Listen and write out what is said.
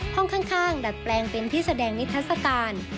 ห้องข้างดัดแปลงเป็นที่แสดงนิทัศกาล